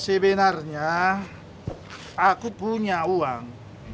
sebenarnya aku punya uang